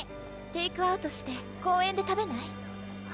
テークアウトして公園で食べない？